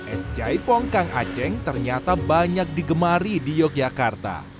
es jaipong kang aceng ternyata banyak digemari di yogyakarta